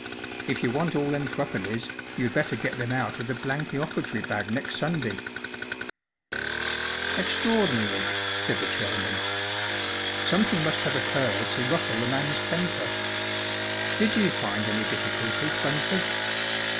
If you want all them threepennies, you'd better get them out of the blanky offertory bag next Sunday I 1 "'* Extraordinary/' said the chairman* if Some¬ thing must have occurred to ruffle the man's temper, Did you find any difficulty, Bun ford